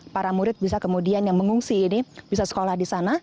para murid bisa kemudian yang mengungsi ini bisa sekolah di sana